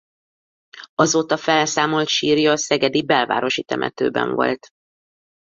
Azóta felszámolt sírja a szegedi Belvárosi temetőben volt.